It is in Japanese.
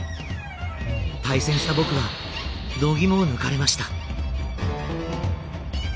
対戦した僕はどぎもを抜かれました。